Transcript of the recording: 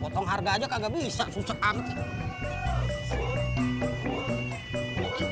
potong harga aja kagak bisa susah banget